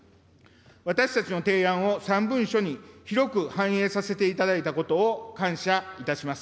私たちの提案を３文書に広く反映させていただいたことを感謝いたします。